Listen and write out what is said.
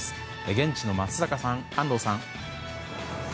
現地の松坂さん、安藤さん。